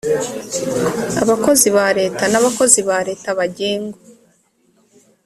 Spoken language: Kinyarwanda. abakozi ba leta n abakozi ba leta bagengwa